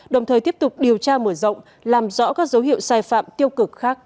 đồng thời tiếp tục điều tra mở rộng làm rõ các dấu hiệu sai phạm tiêu cực khác